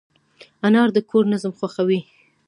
انا د کور نظم خوښوي